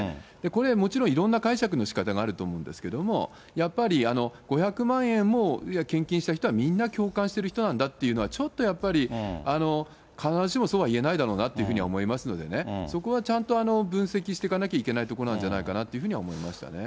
これ、もちろんいろんな解釈のしかたがあると思うんですけれども、やっぱり５００万円も献金した人はみんな共感してる人なんだというのは、ちょっとやっぱり必ずしもそうは言えないだろうなとふうには思いますのでね、そこはちゃんと分析していかなきゃいけないところなんじゃないかなというふうに思いましたね。